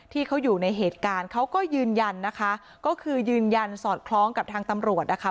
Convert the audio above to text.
ที่เขาอยู่ในเหตุการณ์เขาก็ยืนยันนะคะก็คือยืนยันสอดคล้องกับทางตำรวจนะคะ